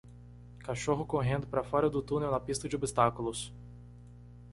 Cachorro correndo para fora do túnel na pista de obstáculos